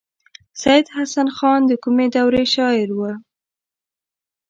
سید حسن خان د کومې دورې شاعر و.